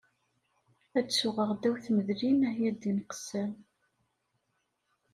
Ad suɣeɣ ddaw tmedlin, ah ya ddin qessam!